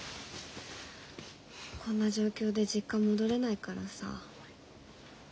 こんな状況で実家戻れないからさ。